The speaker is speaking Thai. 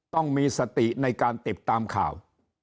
ต้องมีสติในการติดตามข่าว